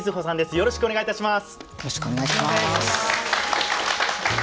よろしくお願いします。